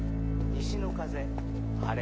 西の風晴れ。